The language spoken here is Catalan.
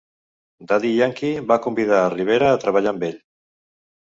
Daddy Yankee va convidar a Rivera a treballar amb ell.